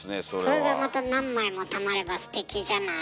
それがまた何枚もたまればステキじゃない？